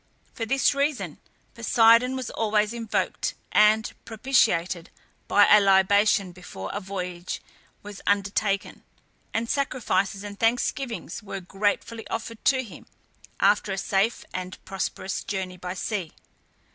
For this reason, Poseidon was always invoked and propitiated by a libation before a voyage was undertaken, and sacrifices and thanksgivings were gratefully offered to him after a safe and prosperous journey by sea.